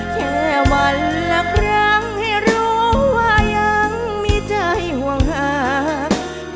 แค่วันละครั้งให้รู้ว่ายังมีใจห่วงหาก